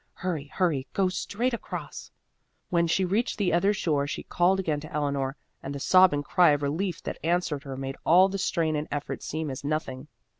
Hurry, hurry, go straight across." When she reached the other shore she called again to Eleanor, and the sobbing cry of relief that answered her made all the strain and effort seem as nothing.